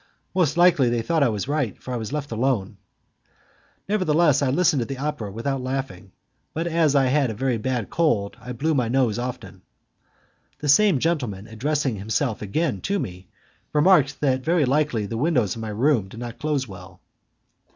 Most likely they thought I was right, for I was left alone. Nevertheless, I listened to the opera without laughing; but as I had a very bad cold I blew my nose often. The same gentleman addressing himself again to me, remarked that very likely the windows of my room did not close well.